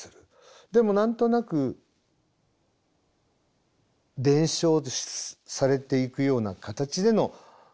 でも何となく伝承されていくような形での継続でしかなかった。